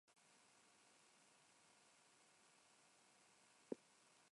El primer capítulo se ha dedicado al artista.